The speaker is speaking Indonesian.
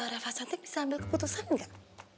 reva cantik bisa ambil keputusan gak